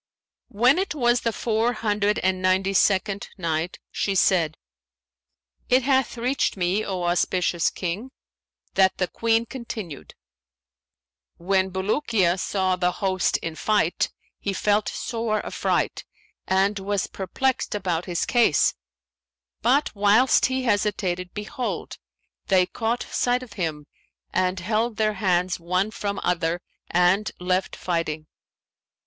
When it was the Four Hundred and Ninety second Night, She said, It hath reached me, O auspicious King, that the Queen continued: "When Bulukiya saw the host in fight, he felt sore affright and was perplexed about his case; but whilst he hesitated, behold, they caught sight of him and held their hands one from other and left fighting.